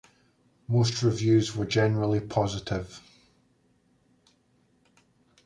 Most reviews were generally positive.